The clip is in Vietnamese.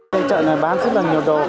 trong chợ này bán rất là nhiều đồ